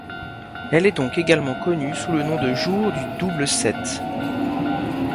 Elle est donc également connue sous le nom de jour du double sept.